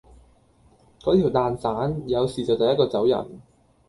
嗰條蛋散，有事就第一個走人